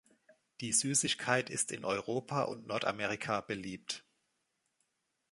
Die Süßigkeit ist in Europa und Nordamerika beliebt.